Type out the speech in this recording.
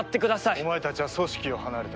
お前たちは組織を離れた。